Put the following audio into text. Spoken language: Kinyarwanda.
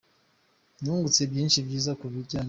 Nungutse byinshi byiza ku bijyanye.